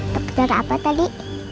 dokter apa tadi